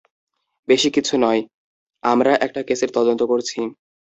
বেশি কিছু নয়, আমরা একটা কেসের তদন্ত করছি।